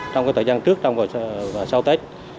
trong thời gian trước và sau tết